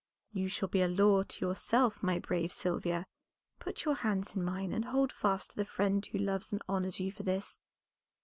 "You shall be a law to yourself, my brave Sylvia. Put your hands in mine and hold fast to the friend who loves and honors you for this.